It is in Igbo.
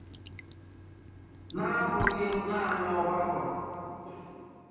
n'abụghị naanị ọgbakọ.